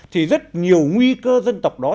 thì rất nhiều nguy cơ dân tộc đó